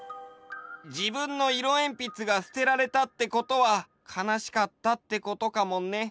じぶんのいろえんぴつがすてられたってことはかなしかったってことかもね。